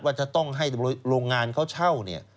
จะต้องให้โรงงานเขาเช่าเนี่ย